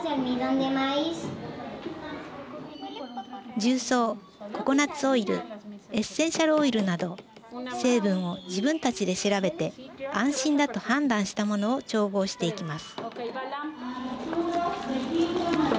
重曹、ココナッツオイルエッセンシャルオイルなど成分を自分たちで調べて安心だと判断したものを調合していきます。